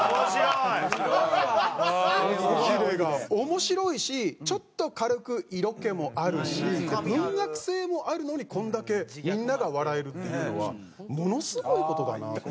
面白いしちょっと軽く色気もあるし文学性もあるのにこれだけみんなが笑えるっていうのはものすごい事だなって。